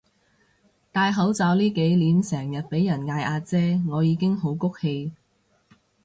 戴口罩呢幾年成日畀人嗌阿姐我已經好谷氣